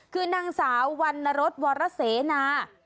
คือนางสาววรรณรสวรเสนา